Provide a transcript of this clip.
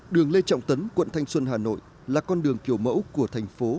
đường lê trọng tấn quận thanh xuân hà nội là con đường kiểu mẫu của thành phố